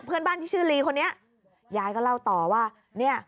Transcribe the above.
เพื่อนบ้านที่ชื่อลีคนนี้ยายก็เล่าต่อว่าเนี่ย